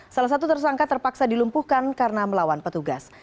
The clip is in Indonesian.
salah satu tersangka terpaksa dilumpuhkan karena melawan petugas